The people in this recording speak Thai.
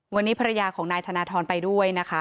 วันนี้ภรรยาของนายธนทรไปด้วยนะคะ